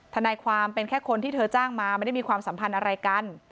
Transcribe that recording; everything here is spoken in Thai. ทนายความเป็นแค่คนที่เธอจ้างมาไม่ได้มีความสัมพันธ์อะไรกัน